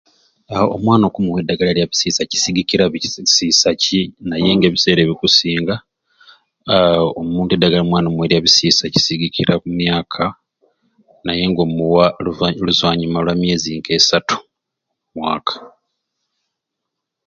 Aa omwana okumuwa eddagala lya bisiisa kisigikira bi bisiisa ki naye nga ebiseera ebikusinga aaa omuntu adagala omwana omuwerya bisiisa kisigikira ku myaka naye nga omuwa luvannyu luzwanyuma lwa myezi ke esatu omu mwaka